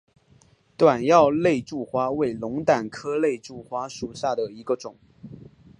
短药肋柱花为龙胆科肋柱花属下的一个种。